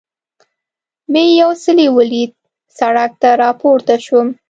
مې یو څلی ولید، سړک ته را پورته شوم.